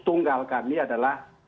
tunggal kami adalah